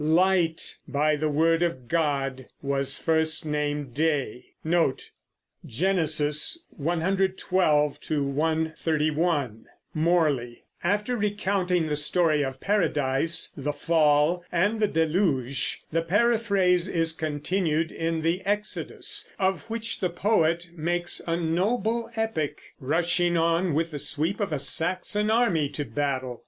Light, by the Word of God, was first named day. After recounting the story of Paradise, the Fall, and the Deluge, the Paraphrase is continued in the Exodus, of which the poet makes a noble epic, rushing on with the sweep of a Saxon army to battle.